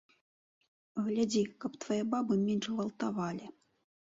Глядзі, каб твае бабы менш гвалтавалі.